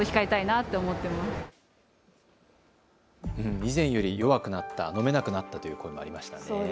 以前より弱くなった飲めなくなったという声もありましたね。